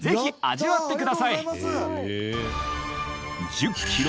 ［１０ｋｇ